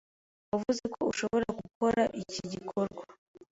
Wavuze ko ushobora gukora iki gikorwa.